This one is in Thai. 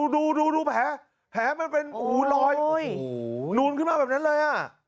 ดูแผลมันเป็นรอยนูนขึ้นมาแบบนั้นเลย